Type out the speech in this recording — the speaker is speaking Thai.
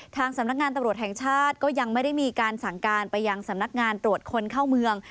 ทางสำนักงานตำรวจแห่งชาติก็ยังไม่ได้มีการสั่งการไปยังสำนักงานตรวจคนเข้าเมือง